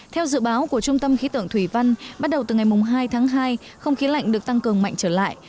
theo dự báo của trung tâm khí tượng thủy văn bắt đầu từ ngày hai tháng hai không khí lạnh được tăng cường mạnh trở lại